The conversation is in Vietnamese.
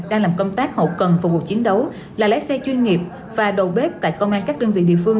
đang làm công tác hậu cần phục vụ chiến đấu là lái xe chuyên nghiệp và đầu bếp tại công an các đơn vị địa phương